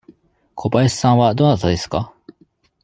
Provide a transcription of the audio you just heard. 小林さんはどなたですか。